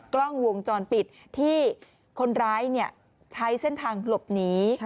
กล้องวงจรปิดที่คนร้ายใช้เส้นทางหลบหนี